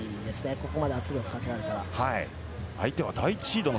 ここまで圧力をかけられたら。